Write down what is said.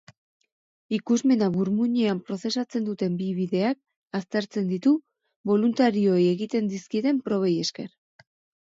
Ikusmena burmuinean prozesatzen duten bi bideak azertzen ditu boluntarioei egiten dizkieten probei esker.